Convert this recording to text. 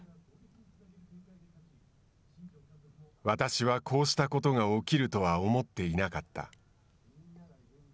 私はこうしたことが起きるとは思っていなかった。